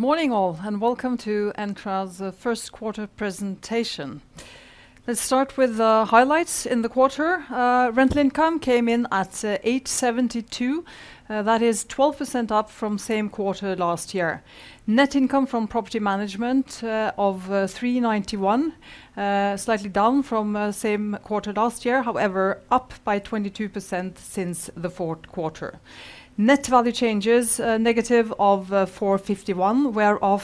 Morning all, welcome to Entra's first quarter presentation. Let's start with the highlights in the quarter. Rental income came in at 872. That is 12% up from same quarter last year. Net income from property management of 391. Slightly down from same quarter last year, however, up by 22% since the fourth quarter. Net value changes negative of 451, whereof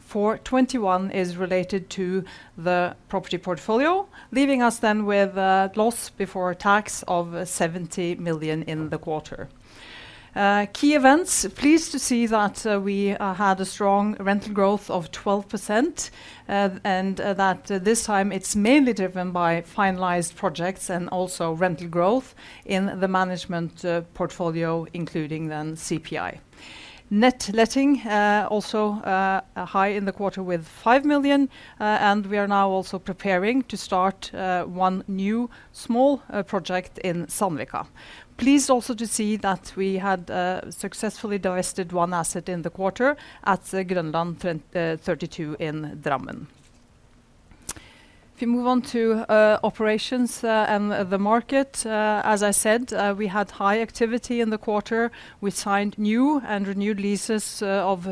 421 is related to the property portfolio. Leaving us then with a loss before tax of 70 million in the quarter. Key events. Pleased to see that we had a strong rental growth of 12%. That this time it's mainly driven by finalized projects and also rental growth in the management portfolio including then CPI. Net letting also high in the quarter with 5 million. We are now also preparing to start one new small project in Sandvika. Pleased also to see that we had successfully divested one asset in the quarter at Grønland 32 in Drammen. If you move on to operations and the market, as I said, we had high activity in the quarter. We signed new and renewed leases of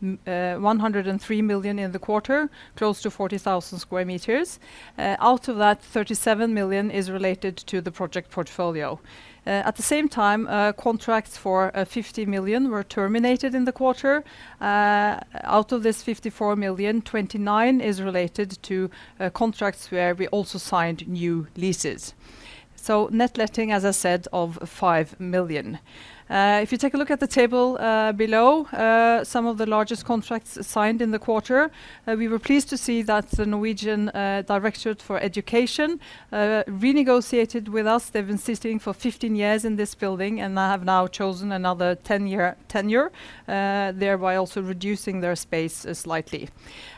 103 million in the quarter, close to 40,000 square meters. Out of that, 37 million is related to the project portfolio. At the same time, contracts for 50 million were terminated in the quarter. Out of this 54 million, 29 is related to contracts where we also signed new leases. Net letting, as I said, of 5 million. If you take a look at the table below, some of the largest contracts signed in the quarter, we were pleased to see that the Norwegian Director for Education renegotiated with us. They've been sitting for 15 years in this building, and they have now chosen another 10 year tenure, thereby also reducing their space slightly.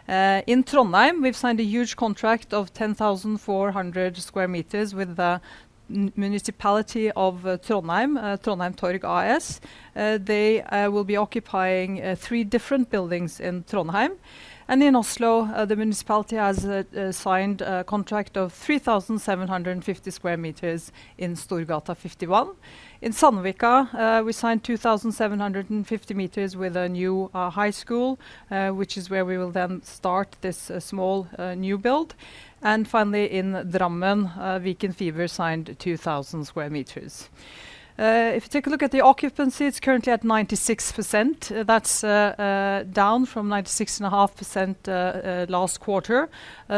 In Trondheim, we've signed a huge contract of 10,400 square meters with the municipality of Trondheim, Trondheim Torg AS. They will be occupying three different buildings in Trondheim. In Oslo, the municipality has signed a contract of 3,750 square meters in Storgata 51. In Sandvika, we signed 2,750 meters with a new high school, which is where we will then start this small new build. Finally, in Drammen, Viken Fiber signed 2,000 square meters. If you take a look at the occupancy, it's currently at 96%. That's down from 96.5% last quarter.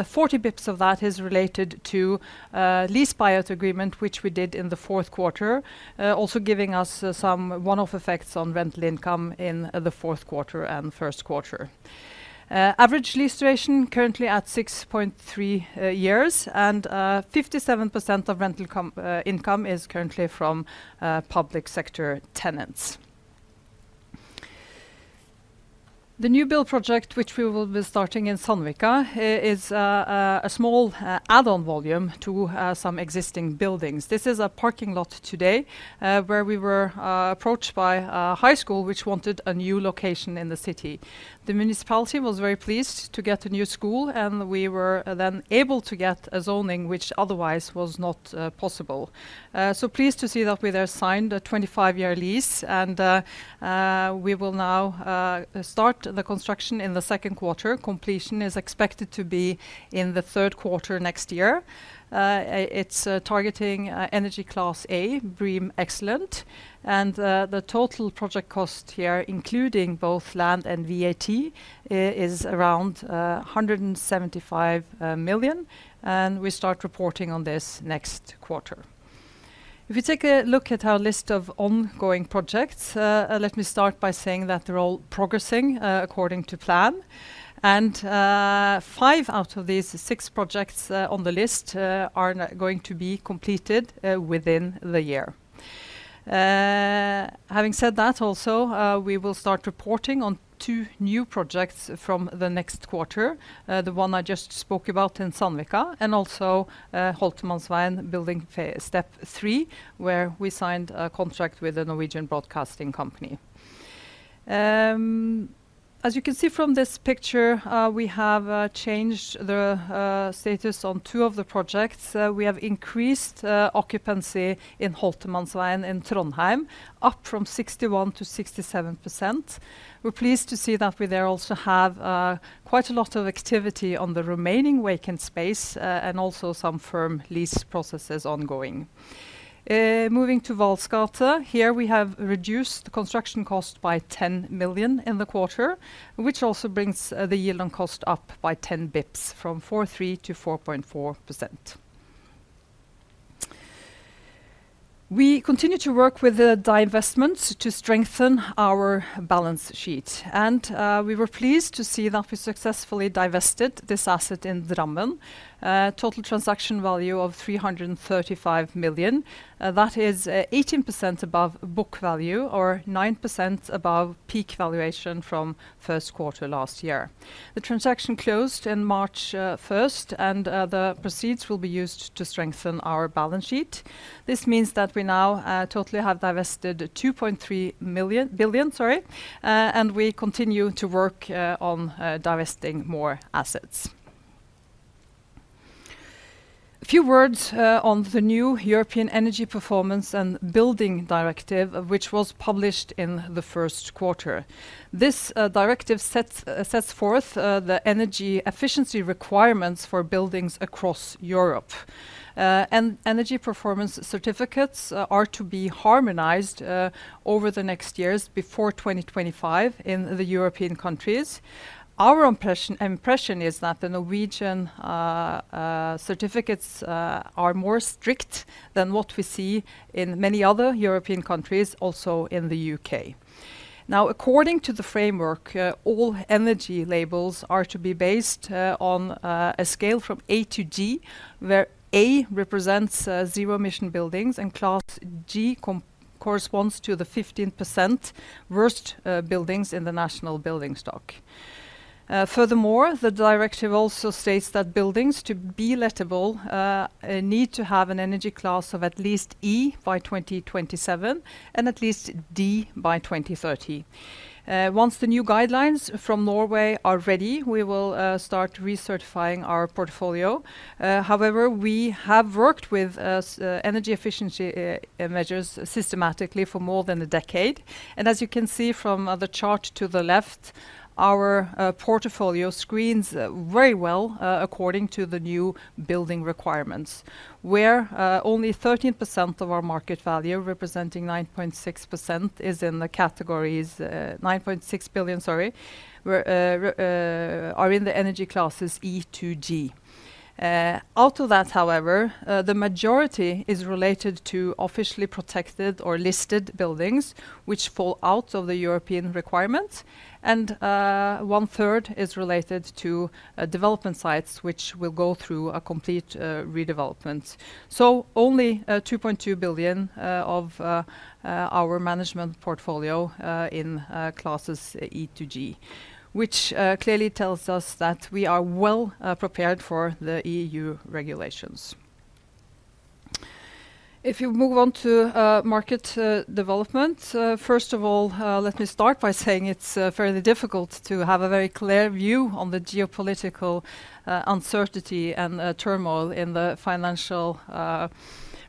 40 basis points of that is related to lease buyout agreement, which we did in the fourth quarter. Also giving us some one-off effects on rental income in the fourth quarter and first quarter. Average lease duration currently at 6.3 years. 57% of rental income is currently from public sector tenants. The new build project which we will be starting in Sandvika is a small add-on volume to some existing buildings. This is a parking lot today, where we were approached by a high school which wanted a new location in the city. The municipality was very pleased to get a new school, we were then able to get a zoning which otherwise was not possible. Pleased to see that we there signed a 25-year lease and we will now start the construction in the second quarter. Completion is expected to be in the third quarter next year. It's targeting energy class A, BREEAM excellent. The total project cost here, including both land and VAT, is around 175 million, and we start reporting on this next quarter. If you take a look at our list of ongoing projects, let me start by saying that they're all progressing according to plan. Five out of these six projects on the list are going to be completed within the year. Having said that also, we will start reporting on two new projects from the next quarter. The one I just spoke about in Sandvika and also, Holtermannsveien building step three, where we signed a contract with the Norwegian Broadcasting Company. As you can see from this picture, we have changed the status on two of the projects. We have increased occupancy in Holtermannsveien in Trondheim, up from 61% to 67%. We're pleased to see that we there also have quite a lot of activity on the remaining vacant space, and also some firm lease processes ongoing. Moving to Vahls gate. Here we have reduced the construction cost by 10 million in the quarter, which also brings the yield and cost up by 10 basis points from 4.3% to 4.4%. We continue to work with the divestments to strengthen our balance sheet. We were pleased to see that we successfully divested this asset in Drammen. Total transaction value of 335 million. That is 18% above book value or 9% above peak valuation from first quarter last year. The transaction closed in March 1st, the proceeds will be used to strengthen our balance sheet. This means that we now totally have divested 2.3 billion, sorry. We continue to work on divesting more assets. A few words on the new European Energy Performance and Building Directive, which was published in the first quarter. This directive sets forth the energy efficiency requirements for buildings across Europe. Energy performance certificates are to be harmonized over the next years before 2025 in the European countries. Our impression is that the Norwegian certificates are more strict than what we see in many other European countries, also in the U.K. According to the framework, all energy labels are to be based on a scale from A to G, where A represents zero emission buildings and class G corresponds to the 15% worst buildings in the national building stock. Furthermore, the directive also states that buildings to be lettable need to have an energy class of at least E by 2027 and at least D by 2030. Once the new guidelines from Norway are ready, we will start recertifying our portfolio. However, we have worked with energy efficiency measures systematically for more than a decade. As you can see from the chart to the left, our portfolio screens very well according to the new building requirements. Where only 13% of our market value representing 9.6% is in the categories, 9.6 billion, sorry, are in the energy classes E to G. Out of that, however, the majority is related to officially protected or listed buildings which fall out of the European requirement. One third is related to development sites which will go through a complete redevelopment. Only 2.2 billion of our management portfolio in classes E to G, which clearly tells us that we are well prepared for the EU regulations. If you move on to market development, first of all, let me start by saying it's fairly difficult to have a very clear view on the geopolitical uncertainty and turmoil in the financial markets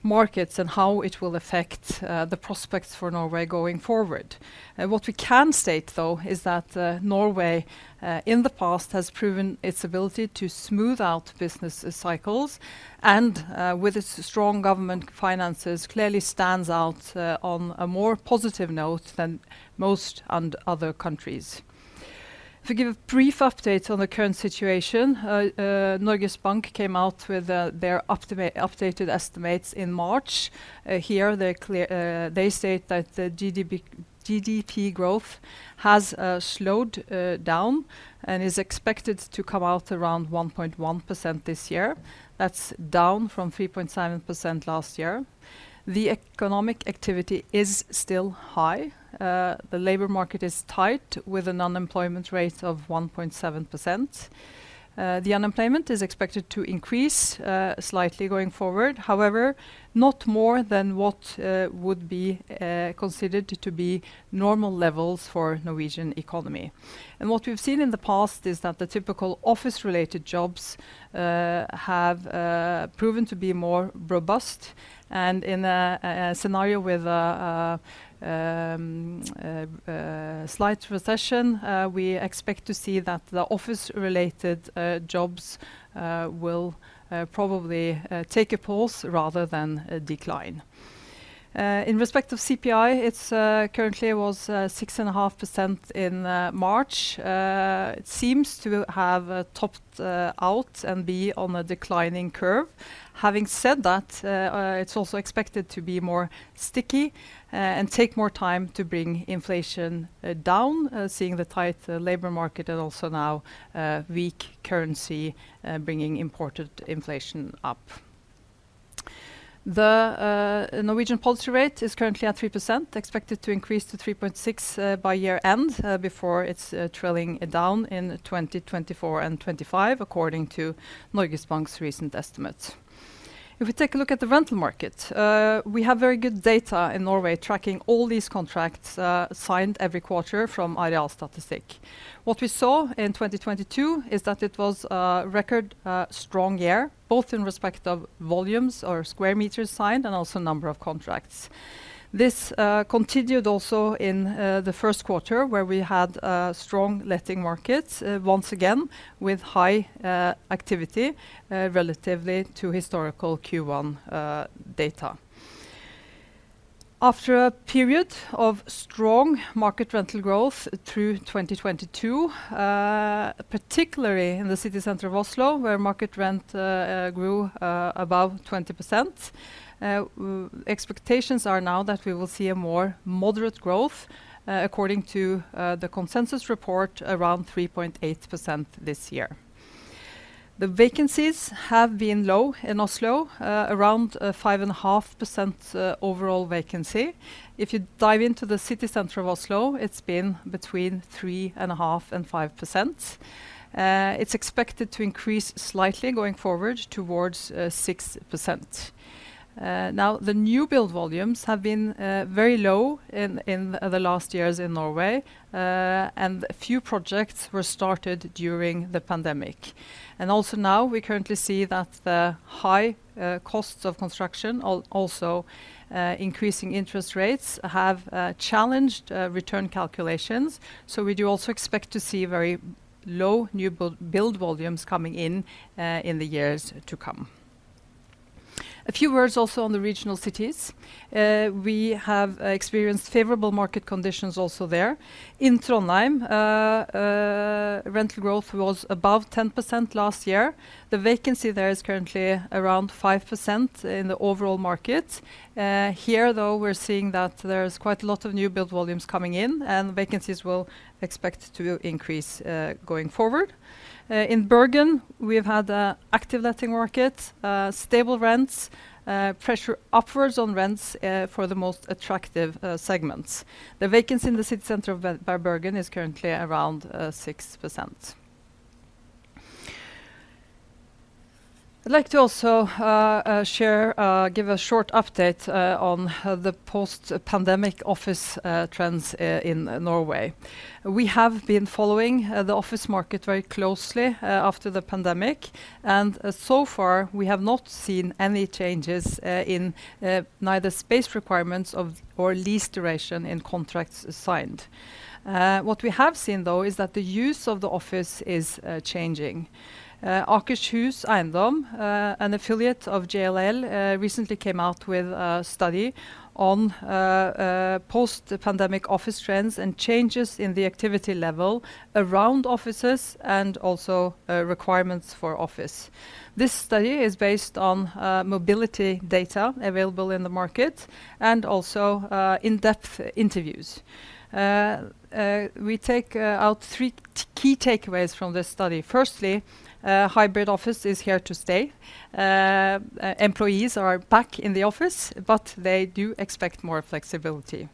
and how it will affect the prospects for Norway going forward. What we can state, though, is that Norway in the past has proven its ability to smooth out business cycles and with its strong government finances, clearly stands out on a more positive note than most and other countries. To give a brief update on the current situation, Norges Bank came out with their updated estimates in March. Here they clear, they state that the GDP growth has slowed down and is expected to come out around 1.1% this year. That's down from 3.7% last year. The economic activity is still high. The labor market is tight, with an unemployment rate of 1.7%. The unemployment is expected to increase slightly going forward. However, not more than what would be considered to be normal levels for Norwegian economy. What we've seen in the past is that the typical office related jobs have proven to be more robust. In a scenario with a slight recession, we expect to see that the office related jobs will probably take a pause rather than a decline. In respect of CPI, its currently was 6.5% in March. It seems to have topped out and be on a declining curve. Having said that, it's also expected to be more sticky and take more time to bring inflation down, seeing the tight labor market and also now weak currency bringing imported inflation up. The Norwegian policy rate is currently at 3%, expected to increase to 3.6% by year end, before it's trailing down in 2024 and 2025, according to Norges Bank's recent estimates. If we take a look at the rental market, we have very good data in Norway tracking all these contracts signed every quarter from IDR-statistic. What we saw in 2022 is that it was a record strong year, both in respect of volumes or square meters signed, and also number of contracts. This continued also in the first quarter, where we had strong letting markets, once again with high activity, relatively to historical Q1 data. After a period of strong market rental growth through 2022, particularly in the city center of Oslo, where market rent grew above 20%, expectations are now that we will see a more moderate growth, according to the consensus report, around 3.8% this year. The vacancies have been low in Oslo, around 5.5%, overall vacancy. If you dive into the city center of Oslo, it's been between 3.5%-5%. It's expected to increase slightly going forward towards 6%. Now, the new build volumes have been very low in the last years in Norway. A few projects were started during the pandemic. Also now we currently see that the high costs of construction also increasing interest rates have challenged return calculations. We do also expect to see very low new build volumes coming in in the years to come. A few words also on the regional cities. We have experienced favorable market conditions also there. In Trondheim, rental growth was above 10% last year. The vacancy there is currently around 5% in the overall market. Here though, we're seeing that there's quite a lot of new build volumes coming in, and vacancies will expect to increase going forward. In Bergen, we've had a active letting market, stable rents, pressure upwards on rents for the most attractive segments. The vacancy in the city center of Bergen is currently around 6%. I'd like to also share, give a short update on the post-pandemic office trends in Norway. We have been following the office market very closely after the pandemic, and so far, we have not seen any changes in neither space requirements or lease duration in contracts signed. What we have seen, though, is that the use of the office is changing. Akershus Eiendom, an affiliate of JLL, recently came out with a study on post-pandemic office trends and changes in the activity level around offices and also requirements for office. This study is based on mobility data available in the market and also in-depth interviews. We take out three key takeaways from this study. Firstly, hybrid office is here to stay. Employees are back in the office, but they do expect more flexibility.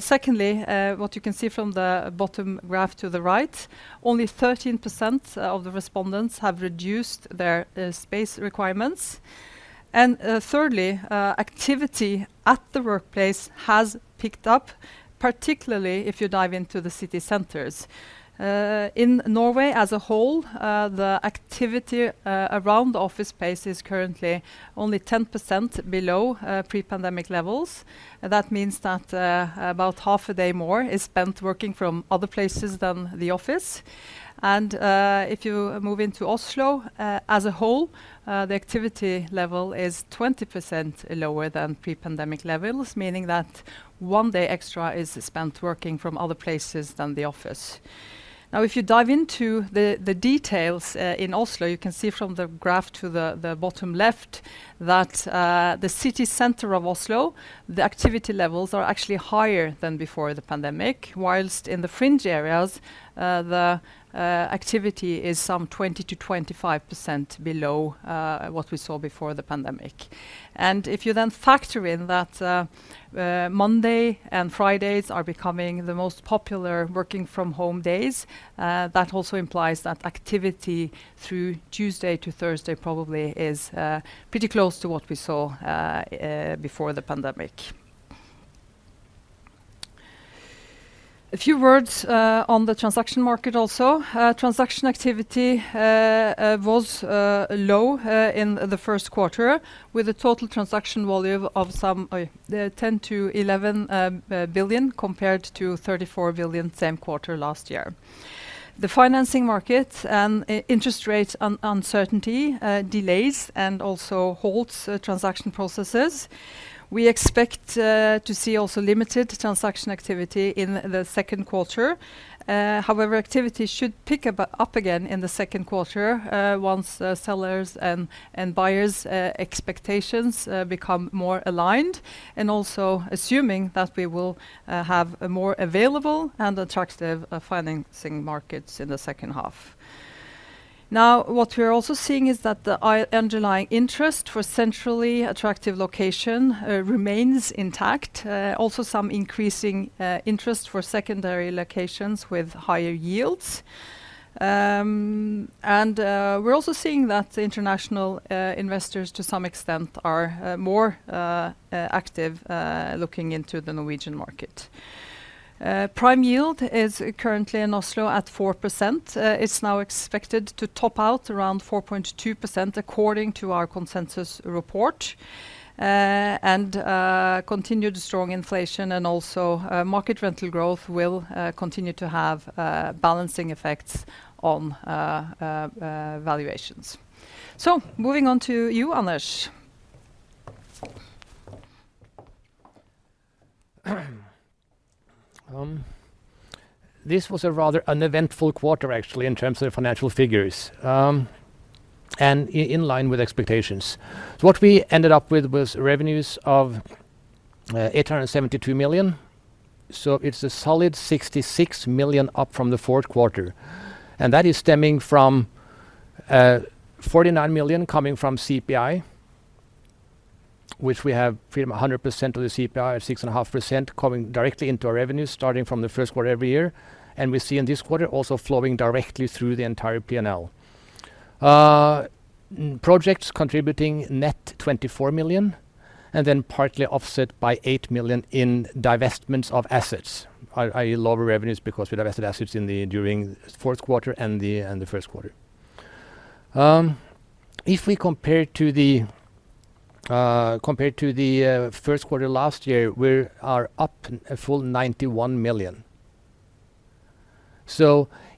Secondly, what you can see from the bottom graph to the right, only 13% of the respondents have reduced their space requirements. Thirdly, activity at the workplace has picked up, particularly if you dive into the city centers. In Norway as a whole, the activity around office space is currently only 10% below pre-pandemic levels. That means that about half a day more is spent working from other places than the office. If you move into Oslo as a whole, the activity level is 20% lower than pre-pandemic levels, meaning that one day extra is spent working from other places than the office. Now, if you dive into the details in Oslo, you can see from the graph to the bottom left that the city center of Oslo, the activity levels are actually higher than before the pandemic. While in the fringe areas, the activity is some 20%-25% below what we saw before the pandemic. If you then factor in that Monday and Fridays are becoming the most popular working from home days, that also implies that activity through Tuesday to Thursday probably is pretty close to what we saw before the pandemic. A few words on the transaction market also. Transaction activity was low in the first quarter with a total transaction volume of some 10 billion-11 billion compared to 34 billion same quarter last year. The financing market and interest rate uncertainty delays and also halts transaction processes. We expect to see also limited transaction activity in the second quarter. However, activity should pick up again in the second quarter once the sellers and buyers expectations become more aligned. Also assuming that we will have a more available and attractive financing markets in the second half. What we are also seeing is that the underlying interest for centrally attractive location remains intact. Also some increasing interest for secondary locations with higher yields. We're also seeing that international investors to some extent are more active looking into the Norwegian market. Prime yield is currently in Oslo at 4%. It's now expected to top out around 4.2% according to our consensus report. Continued strong inflation and also market rental growth will continue to have balancing effects on valuations. Moving on to you, Anders. This was a rather uneventful quarter actually in terms of financial figures, and in line with expectations. What we ended up with was revenues of 872 million. It's a solid 66 million up from the fourth quarter. That is stemming from 49 million coming from CPI, which we have pretty much 100% of the CPI at 6.5% coming directly into our revenues starting from the first quarter every year. We see in this quarter also flowing directly through the entire P&L. Projects contributing net 24 million, partly offset by 8 million in divestments of assets. I lower revenues because we divested assets during the fourth quarter and the first quarter. If we compare to the first quarter last year, we are up a full 91 million.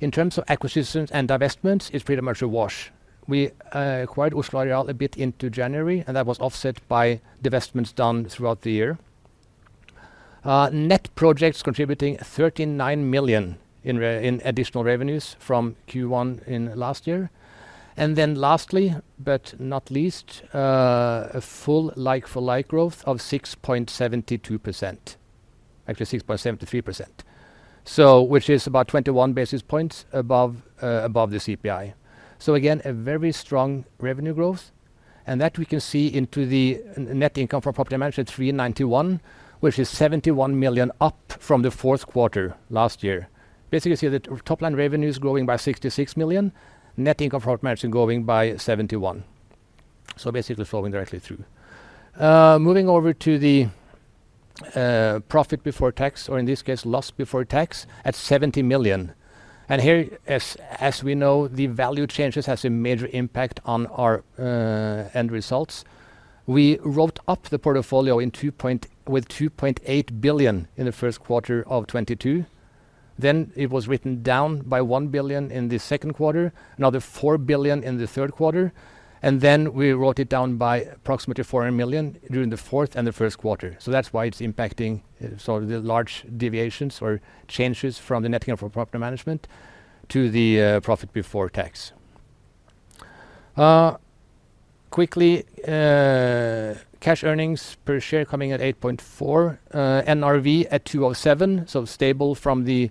In terms of acquisitions and divestments, it's pretty much a wash. We acquired Oslo Areal a bit into January, and that was offset by divestments done throughout the year. Net projects contributing 39 million in additional revenues from Q1 last year. Lastly, but not least, a full like-for-like growth of 6.72%. Actually 6.73%. Which is about 21 basis points above the CPI. Again, a very strong revenue growth, and that we can see into the net income from property management, 391, which is 71 million up from the fourth quarter last year. Basically, you see the top line revenues growing by 66 million, net income from property management growing by 71 million. Basically flowing directly through. Moving over to the profit before tax, or in this case, loss before tax at 70 million. Here, as we know, the value changes has a major impact on our end results. We wrote up the portfolio with 2.8 billion in the first quarter of 2022. It was written down by 1 billion in the second quarter, another 4 billion in the third quarter, we wrote it down by approximately 400 million during the fourth and the first quarter. That's why it's impacting sort of the large deviations or changes from the net income from property management to the profit before tax. Quickly, cash earnings per share coming at 8.4, NRV at 207, stable from the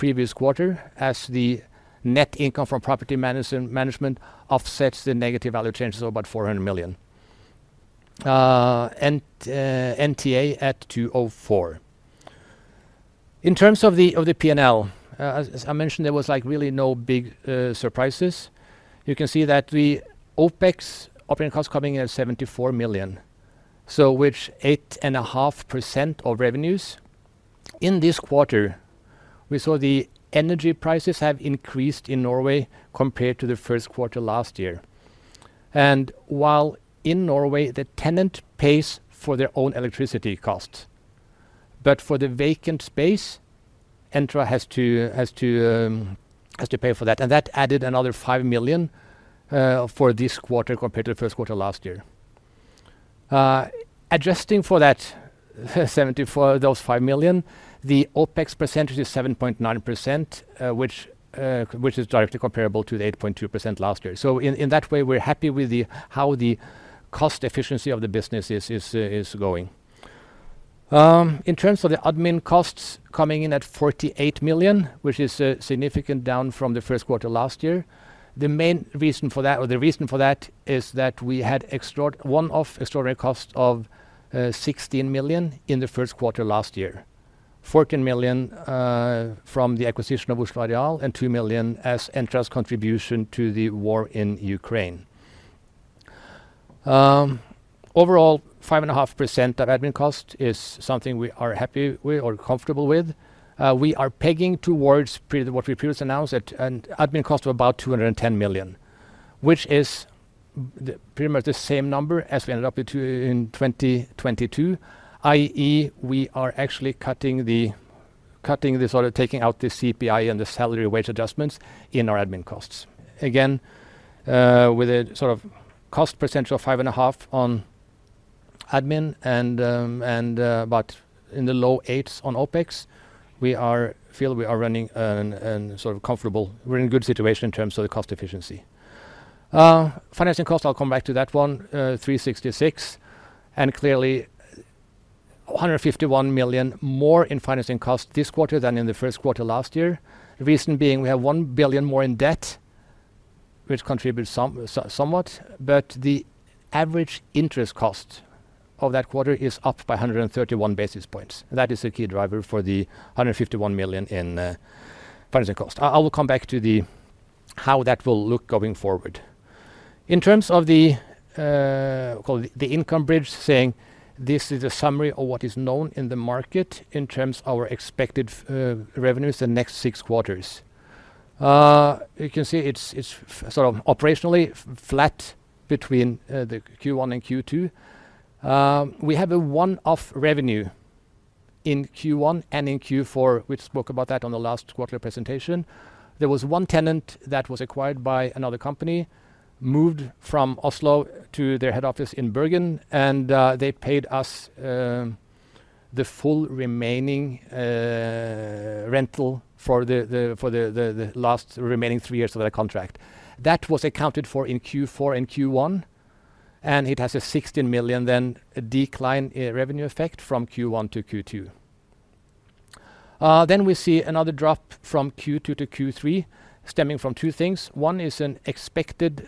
previous quarter as the net income from property management offsets the negative value changes of about 400 million. NTA at 204. In terms of the P&L, as I mentioned, there was like really no big surprises. You can see that the OpEx, operating costs, coming in at 74 million, which 8.5% of revenues. In this quarter, we saw the energy prices have increased in Norway compared to the first quarter last year. While in Norway, the tenant pays for their own electricity costs, but for the vacant space, Entra has to pay for that. That added another 5 million for this quarter compared to the first quarter last year. Adjusting for that, those 5 million, the OpEx percentage is 7.9%, which is directly comparable to the 8.2% last year. In that way, we're happy with how the cost efficiency of the business is going. In terms of the admin costs coming in at 48 million, which is significant down from the first quarter last year. The main reason for that or the reason for that is that we had one-off extraordinary cost of 16 million in the first quarter last year. 14 million from the acquisition of Oslo Areal, and 2 million as Entra's contribution to the war in Ukraine. Overall, 5.5% of admin cost is something we are happy with or comfortable with. We are pegging towards what we previously announced at an admin cost of about 210 million, which is pretty much the same number as we ended up with too in 2022, i.e., we are actually cutting the Sort of taking out the CPI and the salary wage adjustments in our admin costs. Again, with a sort of cost percentage of 5.5% on admin and, about in the low 8s on OpEx, We're in good situation in terms of the cost efficiency. Financing cost, I'll come back to that one, 366. Clearly, 151 million more in financing cost this quarter than in the first quarter last year. The reason being we have 1 billion more in debt, which contributes somewhat, but the average interest cost of that quarter is up by 131 basis points. That is a key driver for the 151 million in financing cost. I will come back to how that will look going forward. In terms of the call the income bridge saying this is a summary of what is known in the market in terms of our expected revenues the next six quarters. You can see it's sort of operationally flat between the Q1 and Q2. We have a one-off revenue in Q1 and in Q4. We spoke about that on the last quarter presentation. There was one tenant that was acquired by another company, moved from Oslo to their head office in Bergen, and they paid us the full remaining rental for the last remaining three years of their contract. That was accounted for in Q4 and Q1. It has a 16 million then decline revenue effect from Q1 to Q2. We see another drop from Q2 to Q3 stemming from two things. one is an expected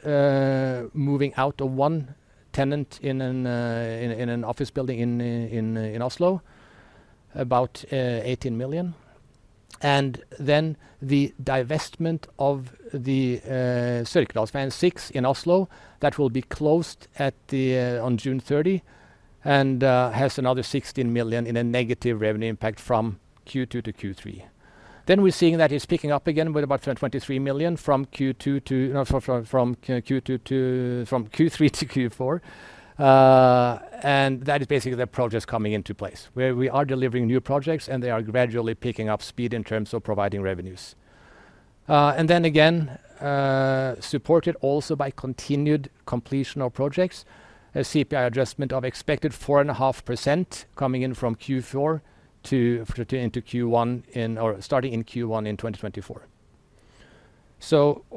moving out of one tenant in an office building in Oslo, about 18 million. The divestment of the Sørkedalsveien 6 in Oslo that will be closed on June 30 and has another 16 million in a negative revenue impact from Q2 to Q3. We're seeing that it's picking up again with about 23 million from Q2 to From Q3 to Q4. That is basically the projects coming into place where we are delivering new projects and they are gradually picking up speed in terms of providing revenues. Then again, supported also by continued completion of projects, a CPI adjustment of expected 4.5% coming in from Q4 into Q1 or starting in Q1 in 2024.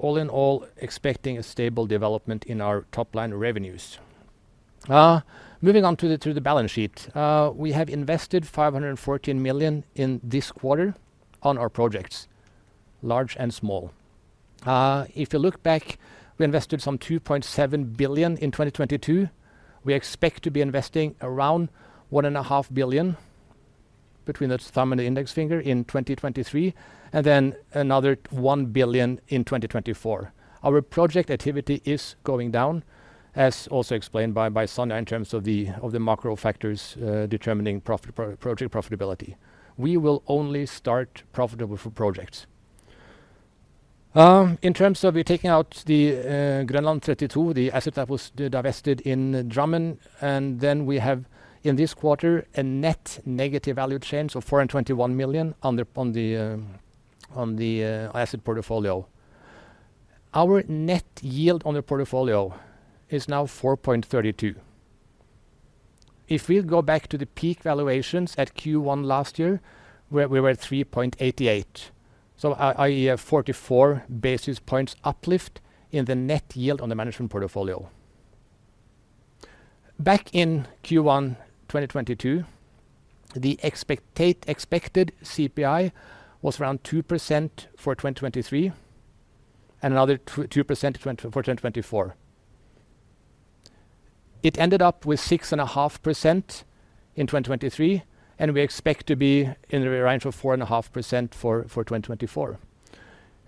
All in all, expecting a stable development in our top-line revenues. Moving on to the balance sheet. We have invested 514 million in this quarter on our projects, large and small. If you look back, we invested some 2.7 billion in 2022. We expect to be investing around 1.5 billion between the thumb and the index finger in 2023, and then another 1 billion in 2024. Our project activity is going down, as also explained by Sonja in terms of the macro factors determining project profitability. We will only start profitable for projects. In terms of we're taking out the Grønland 32, the asset that was divested in Drammen, and then we have in this quarter a net negative value change of 421 million on the asset portfolio. Our net yield on the portfolio is now 4.32. If we go back to the peak valuations at Q1 last year where we were at 3.88, so 44 basis points uplift in the net yield on the management portfolio. Back in Q1 2022, the expected CPI was around 2% for 2023 and another 2% for 2024. It ended up with 6.5% in 2023, we expect to be in the range of 4.5% for 2024.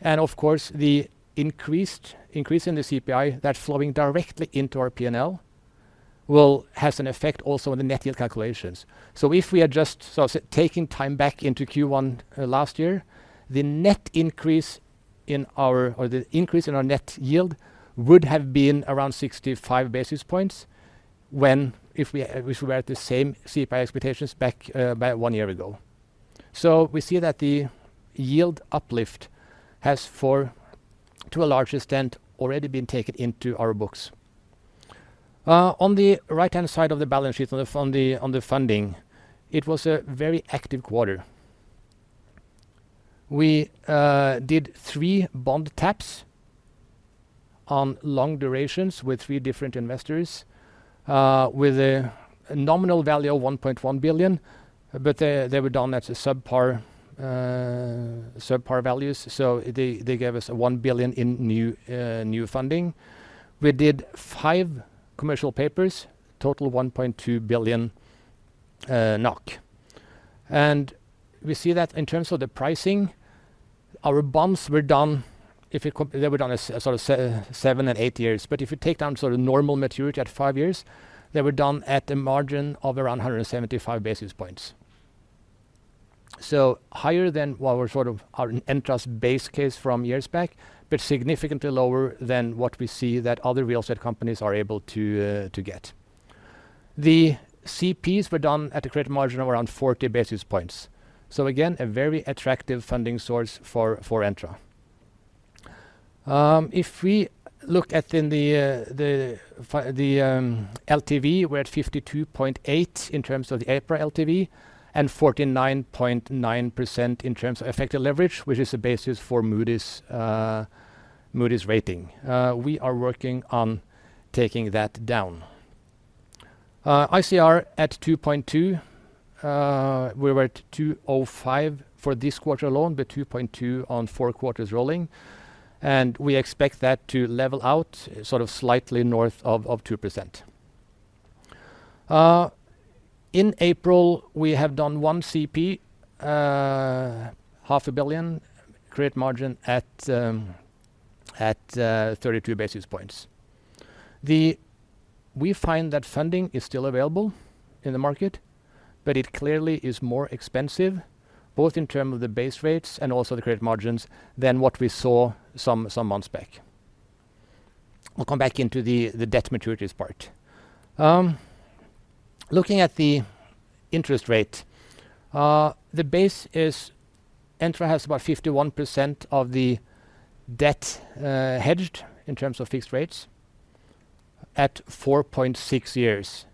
Of course, the increased increase in the CPI that's flowing directly into our P&L has an effect also on the net yield calculations. If we are just sort of taking time back into Q1 last year, the net increase in our... The increase in our net yield would have been around 65 basis points when if we, if we were at the same CPI expectations back, about one year ago. We see that the yield uplift has to a large extent already been taken into our books. On the right-hand side of the balance sheet on the funding, it was a very active quarter. We did three bond taps on long durations with three different investors, with a nominal value of 1.1 billion, but they were done at a subpar values, so they gave us 1 billion in new funding. We did five commercial papers, total 1.2 billion NOK. We see that in terms of the pricing, our bonds were done as sort of seven and eight years. If you take down sort of normal maturity at five years, they were done at a margin of around 175 basis points. Higher than what were sort of our Entra's base case from years back, but significantly lower than what we see that other real estate companies are able to get. The CPs were done at a credit margin of around 40 basis points. Again, a very attractive funding source for Entra. If we look at in the LTV, we're at 52.8 in terms of the APR LTV and 49.9% in terms of effective leverage, which is the basis for Moody's rating. We are working on taking that down. ICR at 2.2. We were at 2.05 for this quarter alone, but 2.2 on fourth quarters rolling, and we expect that to level out sort of slightly north of 2%. In April, we have done one CP, NOK half a billion credit margin at 32 basis points. We find that funding is still available in the market, but it clearly is more expensive both in term of the base rates and also the credit margins than what we saw some months back. We'll come back into the debt maturities part. Looking at the interest rate, the base is Entra has about 51% of the debt hedged in terms of fixed rates at 4.6 years.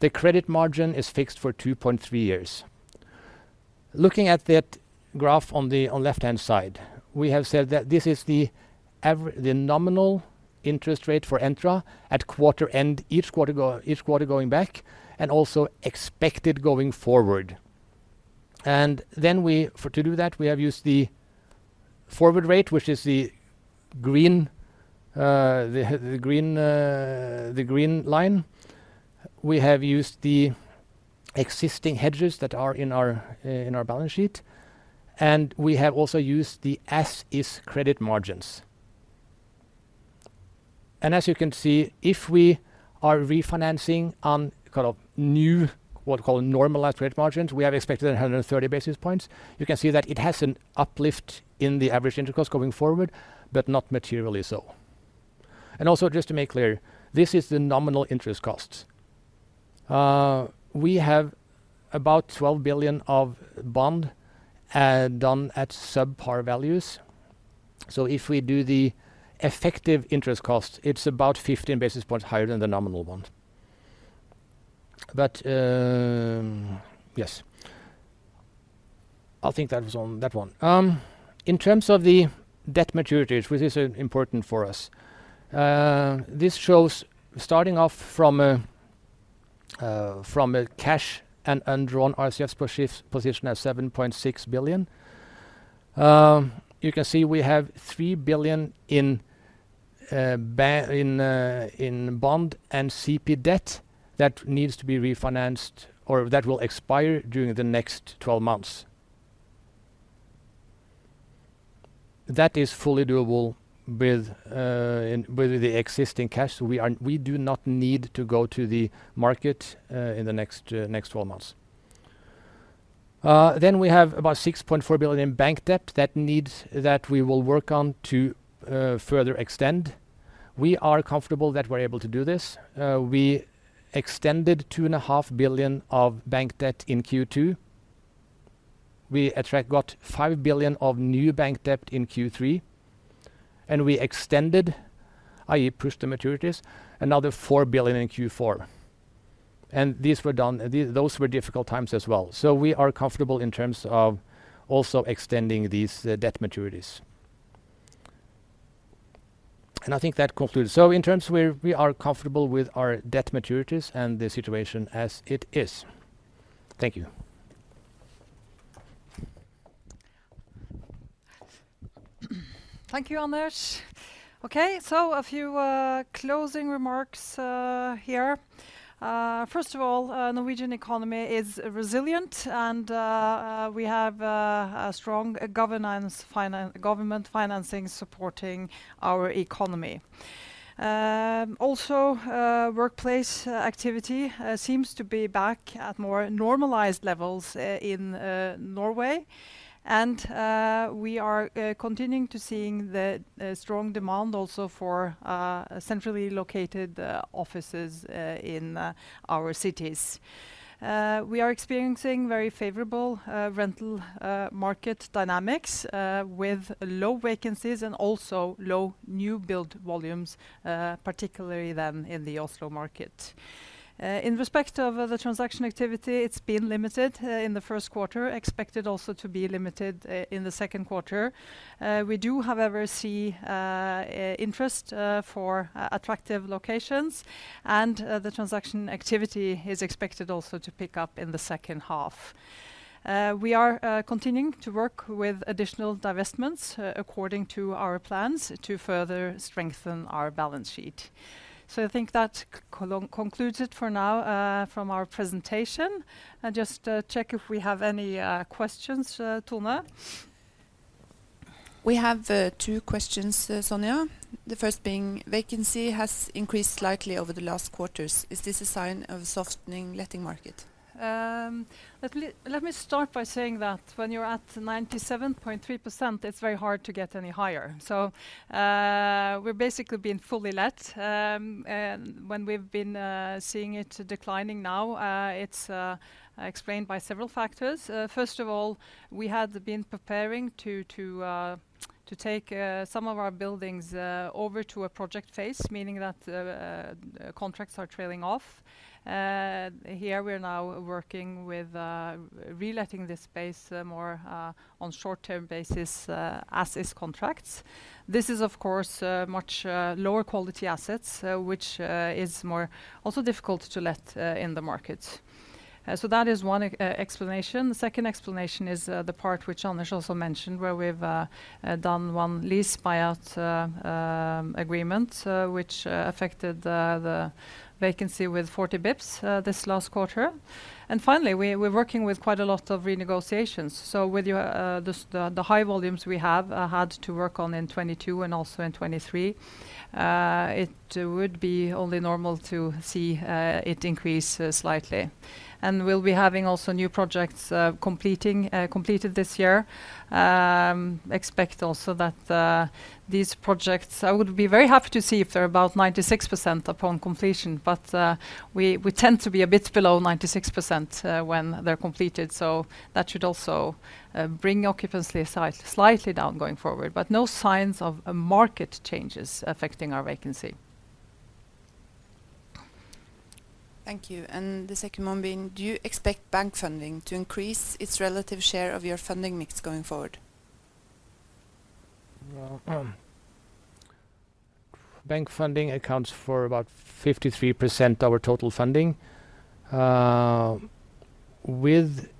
The credit margin is fixed for 2.3 years. Looking at that graph on the left-hand side, we have said that this is the nominal interest rate for Entra at quarter end, each quarter going back, and also expected going forward. Then to do that, we have used the forward rate, which is the green line. We have used the existing hedges that are in our balance sheet, and we have also used the as-is credit margins. As you can see, if we are refinancing on kind of new what we call normalized credit margins, we have expected 130 basis points. You can see that it has an uplift in the average interest costs going forward, but not materially so. Just to make clear, this is the nominal interest costs. We have about 12 billion of bond done at subpar values. If we do the effective interest costs, it's about 15 basis points higher than the nominal bond. Yes. I think that was on that one. In terms of the debt maturities, which is important for us, this shows starting off from a cash and undrawn RCFs position at 7.6 billion. You can see we have 3 billion in bond and CP debt that needs to be refinanced or that will expire during the next 12 months. That is fully doable with the existing cash. We do not need to go to the market in the next 12 months. We have about 6.4 billion in bank debt that we will work on to further extend. We are comfortable that we're able to do this. We extended two and a half billion of bank debt in Q2. We got 5 billion of new bank debt in Q3, and we extended, i.e., pushed the maturities, another 4 billion in Q4. These were done. Those were difficult times as well. We are comfortable in terms of also extending these debt maturities. I think that concludes. In terms, we are comfortable with our debt maturities and the situation as it is. Thank you. Thank you, Anders. Okay. A few closing remarks here. First of all, Norwegian economy is resilient, and we have a strong government financing supporting our economy. Also, workplace activity seems to be back at more normalized levels in Norway. We are continuing to seeing the strong demand also for centrally located offices in our cities. We are experiencing very favorable rental market dynamics with low vacancies and also low new build volumes, particularly then in the Oslo market. In respect of the transaction activity, it's been limited in the first quarter, expected also to be limited in the second quarter. We do, however, see interest for attractive locations, and the transaction activity is expected also to pick up in the second half. We are continuing to work with additional divestments according to our plans to further strengthen our balance sheet. I think that concludes it for now from our presentation. I just check if we have any questions, Tone. We have two questions, Sonja. The first being vacancy has increased slightly over the last quarters. Is this a sign of a softening letting market? Let me start by saying that when you're at 97.3%, it's very hard to get any higher. We're basically been fully let. When we've been seeing it declining now, it's explained by several factors. First of all, we had been preparing to take some of our buildings over to a project phase, meaning that contracts are trailing off. Here we are now working with reletting the space more on short-term basis as is contracts. This is, of course, much lower quality assets, which is more also difficult to let in the market. That is one explanation. The second explanation is the part which Anders also mentioned, where we've done one lease buyout agreement, which affected the vacancy with 40 basis points this last quarter. Finally, we're working with quite a lot of renegotiations. With the high volumes we have had to work on in 2022 and also in 2023, it would be only normal to see it increase slightly. We'll be having also new projects completing completed this year. Expect also that these projects... I would be very happy to see if they're about 96% upon completion, but we tend to be a bit below 96% when they're completed. That should also bring occupancy slightly down going forward. No signs of market changes affecting our vacancy. Thank you. The second one being, do you expect bank funding to increase its relative share of your funding mix going forward? Well, bank funding accounts for about 53% our total funding. With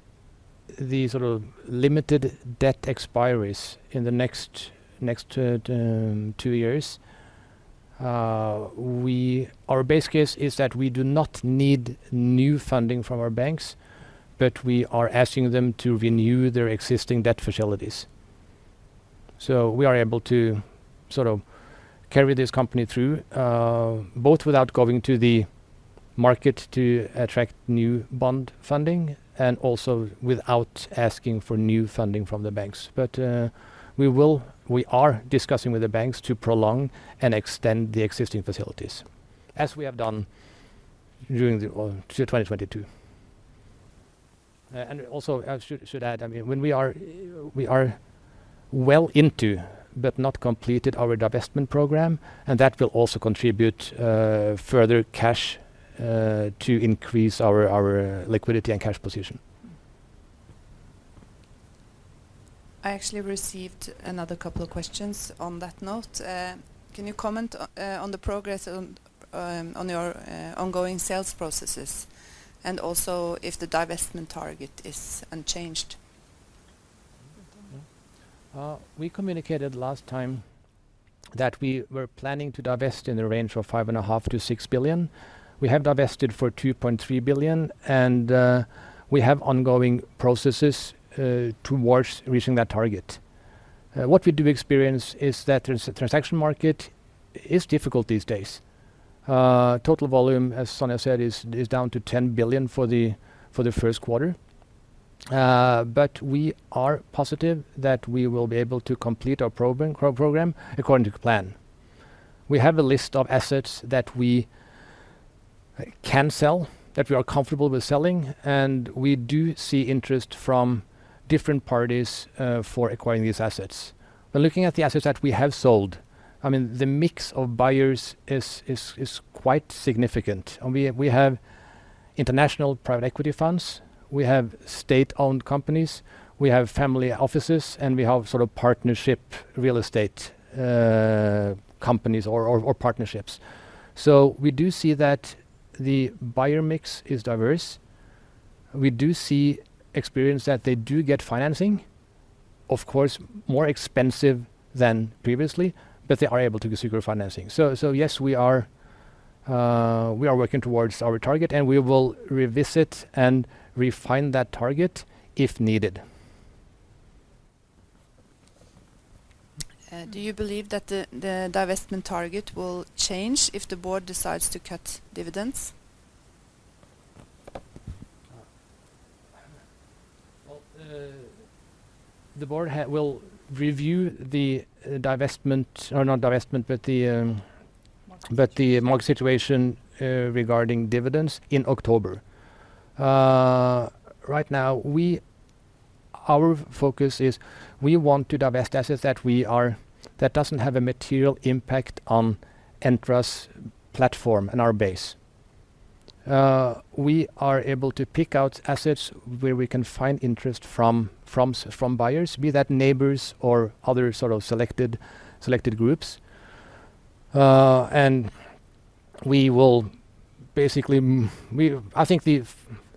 the sort of limited debt expiries in the next two years, our base case is that we do not need new funding from our banks, but we are asking them to renew their existing debt facilities. We are able to sort of carry this company through, both without going to the market to attract new bond funding and also without asking for new funding from the banks. We are discussing with the banks to prolong and extend the existing facilities as we have done during the, well, through 2022. Also I should add, I mean, when we are well into, but not completed our divestment program, and that will also contribute, further cash, to increase our liquidity and cash position. I actually received another couple of questions on that note. Can you comment on the progress on your ongoing sales processes and also if the divestment target is unchanged? Yeah. We communicated last time that we were planning to divest in the range of 5.5 billion-6 billion. We have divested for 2.3 billion. We have ongoing processes towards reaching that target. What we do experience is that trans-transaction market is difficult these days. Total volume, as Sonja said, is down to 10 billion for the first quarter. We are positive that we will be able to complete our program according to plan. We have a list of assets that we can sell, that we are comfortable with selling, and we do see interest from different parties for acquiring these assets. Looking at the assets that we have sold, I mean, the mix of buyers is quite significant. We have international private equity funds, we have state-owned companies, we have family offices, and we have sort of partnership real estate, companies or partnerships. We do see that the buyer mix is diverse. We do see experience that they do get financing, of course, more expensive than previously, but they are able to secure financing. Yes, we are working towards our target, and we will revisit and refine that target if needed. Do you believe that the divestment target will change if the board decides to cut dividends? Well, the board will review the divestment. Not divestment, but the. Market... the market situation regarding dividends in October. Right now, our focus is we want to divest assets that doesn't have a material impact on Entra's platform and our base. We are able to pick out assets where we can find interest from buyers, be that neighbors or other sort of selected groups. We will basically I think the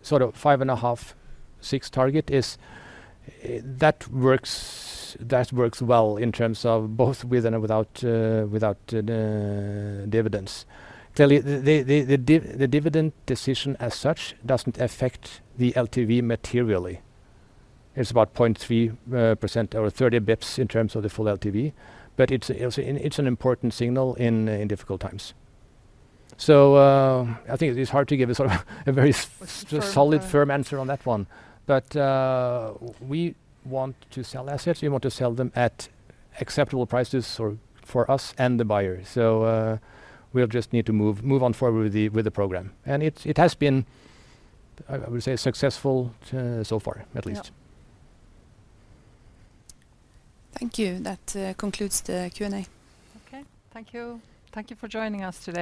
sort of 5.5-6 target is that works, that works well in terms of both with and without dividends. Clearly, the dividend decision as such doesn't affect the LTV materially. It's about 0.3% or 30 basis points in terms of the full LTV, but it's an important signal in difficult times. I think it's hard to give a sort of a very solid, firm answer on that one. We want to sell assets. We want to sell them at acceptable prices for us and the buyer. We'll just need to move on forward with the, with the program. It has been, I would say successful, so far at least. Yeah. Thank you. That concludes the Q&A. Okay. Thank you. Thank you for joining us today.